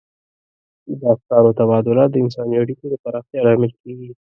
د افکارو تبادله د انساني اړیکو د پراختیا لامل کیږي.